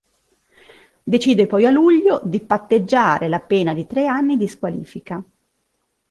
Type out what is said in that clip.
Decide poi a luglio di patteggiare la pena di tre anni di squalifica.